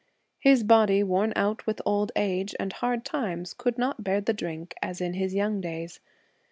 His body, worn out with old age and hard times, could not bear the drink as in his young days.